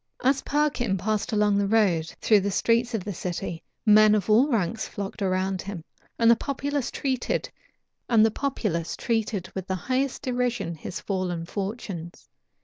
As Perkin passed along the road and through the streets of the city, men of all ranks flocked about him, and the populace treated with the highest derision his fallen fortunes.